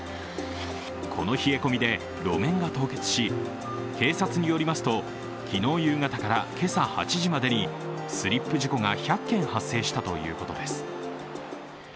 この冷え込みで路面が凍結し、警察によりますと昨日夕方から今朝８時までにスリップ事故が１００件発生したということです。